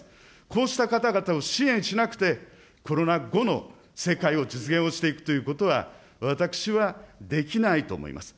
こうした方々を支援しなくて、コロナ後の世界を実現をしていくということは、私はできないと思います。